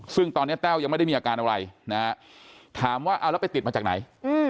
ซึ่งตอนนี้แต้วยังไม่ได้มีอาการอะไรนะฮะถามว่าเอาแล้วไปติดมาจากไหน